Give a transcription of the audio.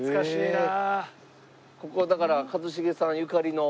ここはだから一茂さんゆかりの。